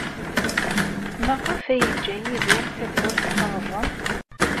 Maɣef ay yeǧǧa Yidir tawwurt terẓem?